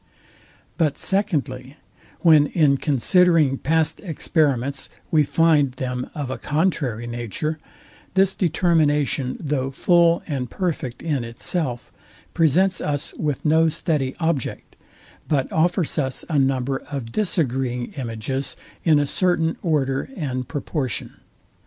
But, secondly, when in considering past experiments we find them of a contrary nature, this determination, though full and perfect in itself, presents us with no steady object, but offers us a number of disagreeing images in a certain order and proportion.